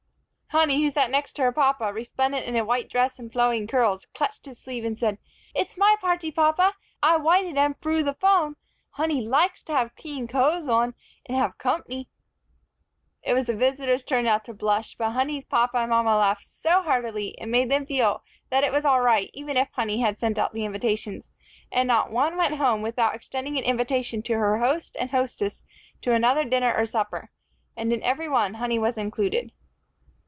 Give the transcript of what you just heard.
Honey, who sat next to her papa, resplendent in a white dress and flowing curls, clutched his sleeve, and said: "It's my party papa. I 'wited 'em frew the phone. Honey likes to have c'ean c'o'es on, and have comp'ny." It was the visitors' turn now to blush, but Honey's papa and mama laughed so heartily it made them feel that it was all right even if Honey had sent out the invitations. And not one went home without extending an invitation to her host and hostess to another dinner or supper, and in every one Honey was included.